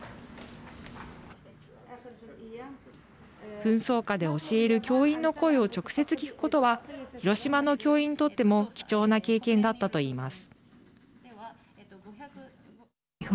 紛争下で教える教員の声を直接聞くことは広島の教員にとっても貴重な経験だったと言います。